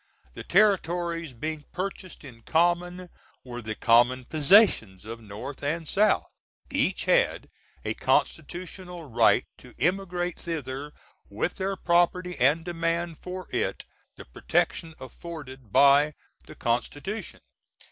The territories being purchased in common, were the com. pos. of North and South. Each had a Const^l right to emigrate thither with their property & demand for it the protection afforded by the Const^n.